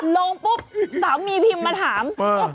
ลงปุ๊บสามีพิมพ์มาถาม